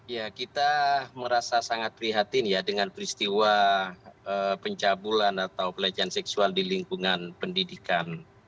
ya kita merasa sangat prihatin ya dengan peristiwa pencabulan atau pelecehan seksual di lingkungan pendidikan